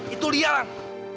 itu dia lang